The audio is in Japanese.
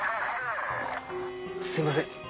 すいません